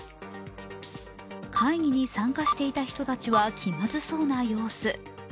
会議に参加していた人たちは気まずそうな様子。